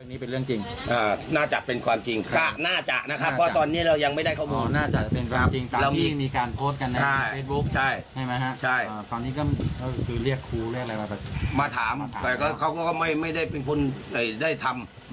แต่เขาก็ไม่ได้เป็นคนได้ทำ